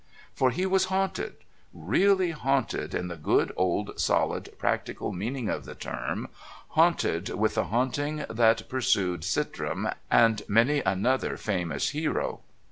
For he was haunted really haunted in the good old solid practical meaning of the term haunted with the haunting that pursued Sintram and many another famous hero.